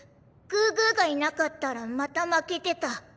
グーグーがいなかったらまた負けてた。